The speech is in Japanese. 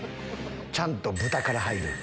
ちゃんと豚から入る。